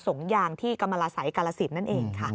งยางที่กรรมลาศัยกาลสินนั่นเองค่ะ